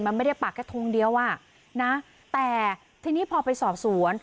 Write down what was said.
มันไม่ได้ปากแค่ทวงเดียวอ่ะนะแต่ทีนี้พอไปสอบสวน